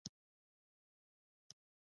دا تړاو د مینې نه، د ویرې زېږنده دی.